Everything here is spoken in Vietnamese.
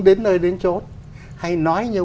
đến nơi đến chốt hay nói như